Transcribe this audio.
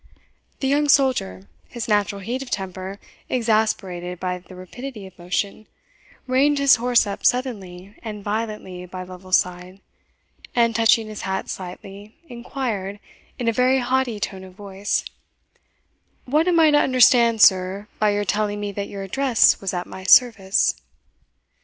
The young soldier, his natural heat of temper exasperated by the rapidity of motion, reined his horse up suddenly and violently by Lovel's side, and touching his hat slightly, inquired, in a very haughty tone of voice, "What am I to understand, sir, by your telling me that your address was at my service?"